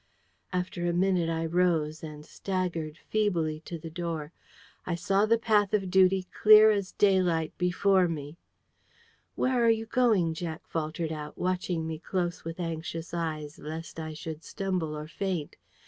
After a minute, I rose, and staggered feebly to the door. I saw the path of duty clear as daylight before me. "Where are you going?" Jack faltered out, watching me close with anxious eyes, lest I should stumble or faint.